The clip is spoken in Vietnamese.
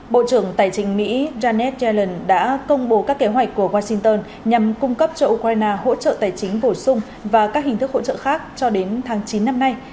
bộ trưởng tài chính mỹ janet yellen đã công bố các kế hoạch của washington nhằm cung cấp cho ukraine hỗ trợ tài chính bổ sung và các hình thức hỗ trợ khác cho đến tháng chín năm nay